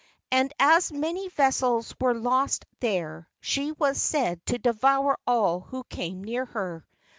And as many vessels were lost there, she was said to devour all who came near her.